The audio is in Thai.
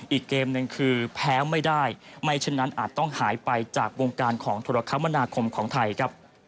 อีกเกมหนึ่งคือแพ้ไม่ได้ไม่เช่นนั้นอาจต้องหายไปจากวงการของธุรกรรมนาคมของไทยครับ